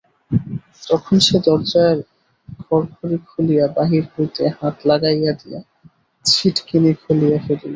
তখন সে দরজার খড়খড়ি খুলিয়া বাহির হইতে হাত গলাইয়া দিয়া ছিটকিনি খুলিয়া ফেলিল।